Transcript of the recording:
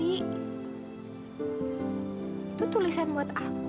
itu tulisan buat aku